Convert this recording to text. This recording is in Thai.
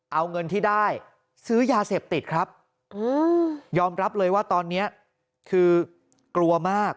เอาเงินที่ได้ซื้อยาเสพติดครับยอมรับเลยว่าตอนนี้คือกลัวมาก